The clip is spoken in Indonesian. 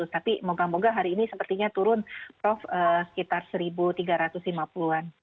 tapi moga moga hari ini sepertinya turun prof sekitar satu tiga ratus lima puluh an